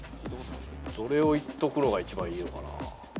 どれをいっとくのが一番いいのかな。